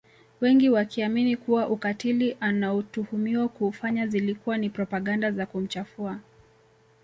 Wengi wakiamini kuwa ukatili anaotuhumiwa kuufanya zilikuwa ni propaganda za kumchafua